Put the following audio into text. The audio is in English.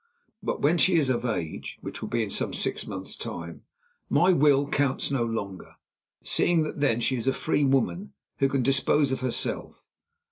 But when she is of age, which will be in some six months' time, my will counts no longer, seeing that then she is a free woman who can dispose of herself.